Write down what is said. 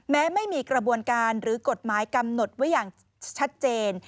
แม้ไม่มีกระบวนการหรือกฎหมายกำหนดไว้อย่างชัดเจน